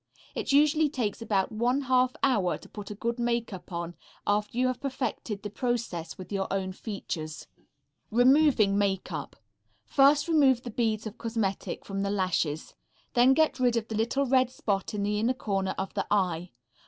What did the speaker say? It usually takes about one half hour to put a good makeup on after you have perfected the process with your own features. Removing Makeup. First remove the beads of cosmetic from the lashes. Then get rid of the little red spot in the inner corner of the eye.